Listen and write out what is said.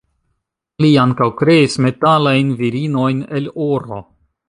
Li ankaŭ kreis metalajn virinojn el oro.